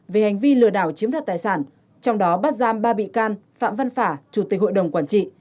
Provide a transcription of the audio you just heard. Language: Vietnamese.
về hành vi lừa đảo chiếm đoạt tài sản trong đó bắt giam ba bị can phạm văn phả chủ tịch hội đồng quản trị